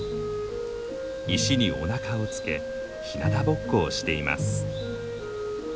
石におなかをつけひなたぼっこをしています。